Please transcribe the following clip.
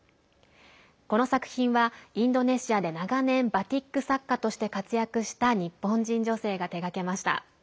この作品は、インドネシアで長年バティック作家として活躍した日本人女性が手がけました。